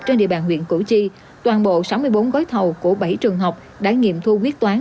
trên địa bàn huyện củ chi toàn bộ sáu mươi bốn gói thầu của bảy trường học đã nghiệm thu quyết toán